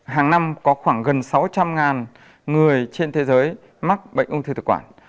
hàng năm có khoảng gần sáu trăm linh người trên thế giới mắc bệnh ung thư thực quản